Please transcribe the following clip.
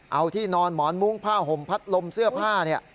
เอาที่นอนหมอนมุ้งผ้าห่มพัดลมเสื้อผ้าเนี่ย